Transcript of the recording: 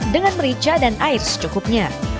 dengan merica dan air secukupnya